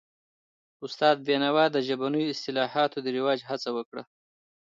استاد بینوا د ژبنیو اصطلاحاتو د رواج هڅه وکړه.